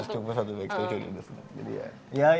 cukup satu backstage aja dia udah seneng